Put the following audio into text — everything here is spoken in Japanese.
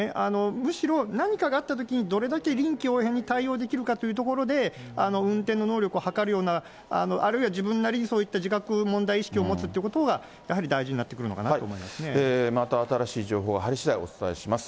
むしろ、何かがあったときにどれだけ臨機応変に対応できるかというところで、運転の能力をはかるような、あるいは自分なりに、そういった自覚の問題意識を持つということが、やはり大事になってくるのかなとまた新しい情報が入りしだい、お伝えします。